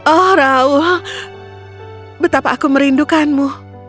oh raul betapa aku merindukanmu